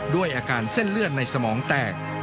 ด้วยอาการเส้นเลือดในสมองแตก